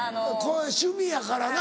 趣味やからな。